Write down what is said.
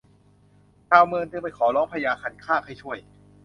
ชาวเมืองจึงไปร้องขอพญาคันคากให้ช่วย